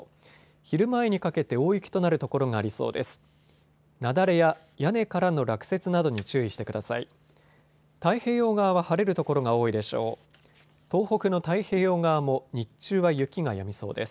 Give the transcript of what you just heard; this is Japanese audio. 昼前にかけて大雪となる所がありそうです。